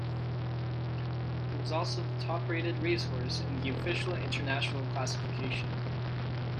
He was also the top-rated racehorse in the official International classification.